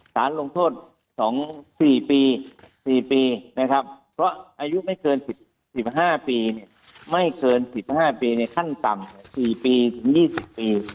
สารลงโทษ๒๔ปี๔ปีนะครับเพราะอายุไม่เกิน๑๕ปีไม่เกิน๑๕ปีในขั้นต่ำ๔ปีถึง๒๐ปี